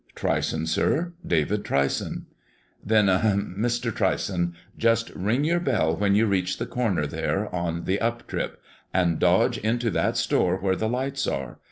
"Tryson, sir; David Tryson." "Then, ahem! Mr. Tryson just ring your bell when you reach the corner there, on the up trip; and dodge into that store where the lights are.